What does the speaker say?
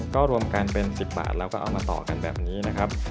ก็รวมกันเป็น๑๐บาทแล้วก็เอามาต่อกันแบบนี้นะครับ